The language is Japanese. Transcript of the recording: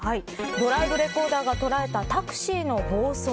ドライブレコーダーが捉えたタクシーの暴走。